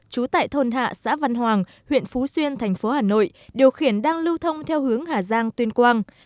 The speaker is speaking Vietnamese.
trú tại thôn hạ xã văn hoàng huyện phú xuyên thành phố hà nội điều khiển đang lưu thông theo hướng hà giang tuyên quang